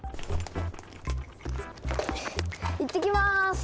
いってきます！